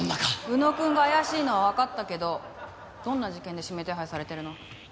浮野くんが怪しいのはわかったけどどんな事件で指名手配されてるの？